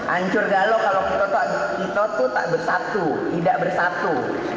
ancur galo kalau kita itu tak bersatu tidak bersatu